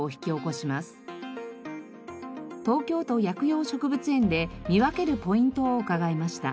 東京都薬用植物園で見分けるポイントを伺いました。